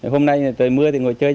hôm nay trời mưa thì ngồi chơi